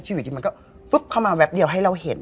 ที่อยู่ที่มันก็ฟึ๊บเข้ามาแวบเดียวให้เราเห็น